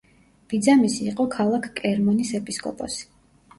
ბიძამისი იყო ქალაქ კლერმონის ეპისკოპოსი.